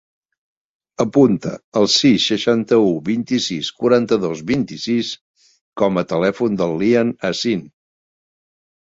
Apunta el sis, seixanta-u, vint-i-sis, quaranta-dos, vint-i-sis com a telèfon del Lian Asin.